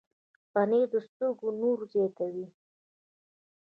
پنېر د سترګو نور زیاتوي.